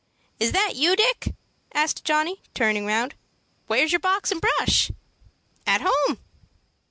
"Is that you, Dick?" asked Johnny, turning round. "Where's your box and brush?" "At home."